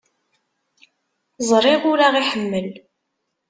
Ẓriɣ ur aɣ-iḥemmel.